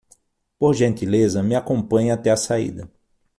Por gentileza, me acompanhe até a saída.